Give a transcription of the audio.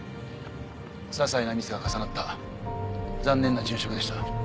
些細なミスが重なった残念な殉職でした。